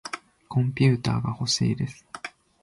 コンピューターがほしいです。